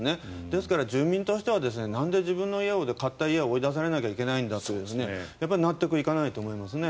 ですから、住民としてはなんで自分の家まで買った家を追い出されなきゃいけないんだという納得いかないと思いますね。